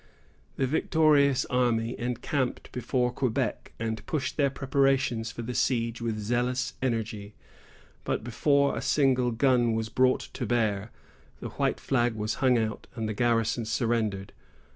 The victorious army encamped before Quebec, and pushed their preparations for the siege with zealous energy; but before a single gun was brought to bear, the white flag was hung out, and the garrison surrendered.